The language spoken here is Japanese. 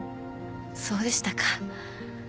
そうでしたか。